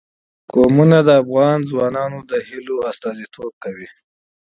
قومونه د افغان ځوانانو د هیلو استازیتوب کوي.